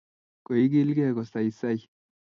Koigilgei kosaisai